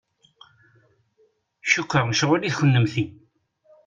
Cukkeɣ mecɣulit kunemt.